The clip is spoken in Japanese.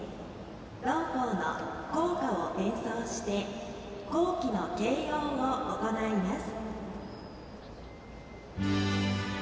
同校の校歌を演奏して校旗の掲揚を行います。